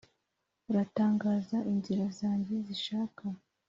uratangaza inzira zanjye zishaka,